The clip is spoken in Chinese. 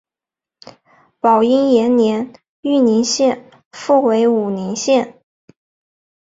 宝应元年豫宁县复为武宁县。